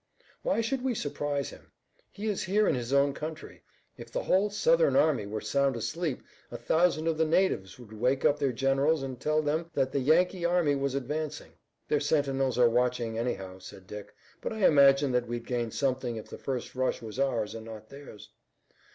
Why should we surprise him? He is here in his own country. If the whole Southern army were sound asleep, a thousand of the natives would wake up their generals and tell them that the Yankee army was advancing." "Their sentinels are watching, anyhow," said Dick, "but I imagine that we'd gain something if the first rush was ours and not theirs."